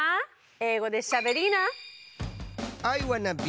英語でしゃべりーな！